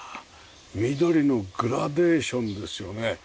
緑のグラデーションですよね。